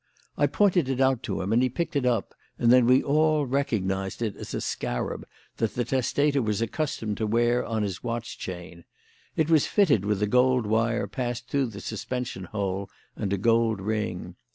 I pointed it out to him and he picked it up, and then we all recognised it as a scarab that the testator was accustomed to wear on his watch chain. It was fitted with a gold wire passed through the suspension hole and a gold ring.